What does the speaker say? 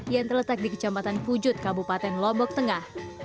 yang terletak di kecamatan pujut kabupaten lombok tengah